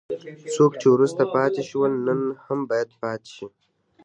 څوک چې وروسته پاتې شول نن هم باید پاتې شي.